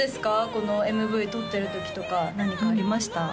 このＭＶ撮ってる時とか何かありました？